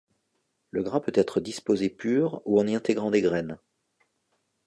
Le gras peut-être disposé pur ou en y intégrant des graines.